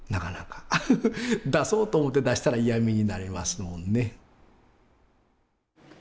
出そうと思って出したら嫌みになりますもんね。